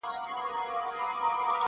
د دريو مياشتو پاچهي به مي په ښه وي؛